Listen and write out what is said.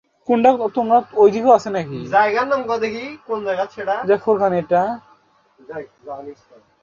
টুর্নামেন্টে টিএলসি দল চ্যাম্পিয়ন ও টিম নোয়াখালী রানার্সআপ হওয়ার গৌরব অর্জন করে।